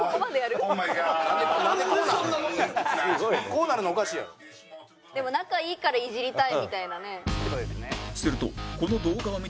「こうなるのおかしいやろ」でも仲いいからイジりたいみたいなね。